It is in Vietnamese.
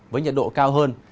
với nhiệt độ cao hơn